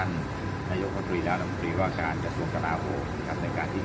ในการไทย